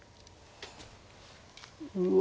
うわ。